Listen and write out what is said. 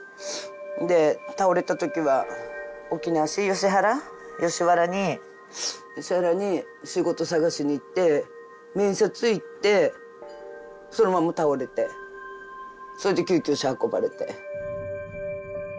で倒れた時は沖縄市吉原吉原に吉原に仕事探しに行って面接行ってそのまま倒れてそれで救急車運ばれて。